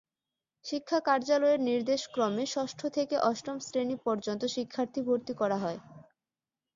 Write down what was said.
শিক্ষা কার্যালয়ের নির্দেশক্রমে ষষ্ঠ থেকে অষ্টম শ্রেণি পর্যন্ত শিক্ষার্থী ভর্তি করা হয়।